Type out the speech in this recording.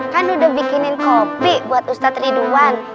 kan udah bikinin kopi buat ustadz ridwan